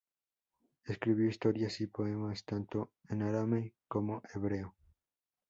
Escribió historias y poemas, tanto en árabe como hebreo.